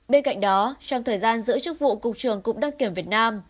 bên cạnh đó trong thời gian giữa chức vụ cục trường cục đăng kiểm việt nam